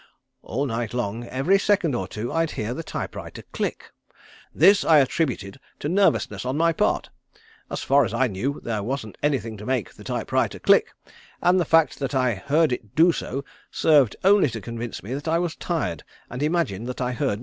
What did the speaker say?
All night long every second or two I'd hear the type writer click. This I attributed to nervousness on my part. As far as I knew there wasn't anything to make the type writer click, and the fact that I heard it do so served only to convince me that I was tired and imagined that I heard noises.